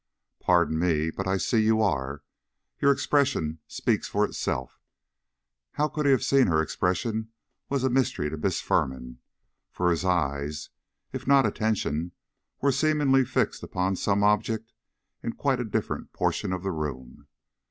Pardon me, but I see you are; your expression speaks for itself." How he could have seen her expression was a mystery to Miss Firman, for his eyes, if not attention, were seemingly fixed upon some object in quite a different portion of the room.